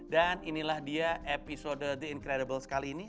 dan inilah dia episode the incredibles kali ini